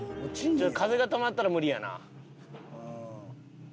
風が止まったら無理やな。